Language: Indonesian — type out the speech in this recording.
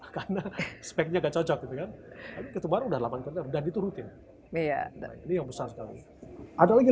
karena speknya cocok itu baru udah laman terdiri itu rutin iya ini yang besar sekali ada lagi